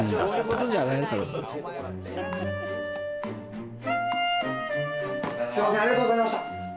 お疲れさまありがとうございました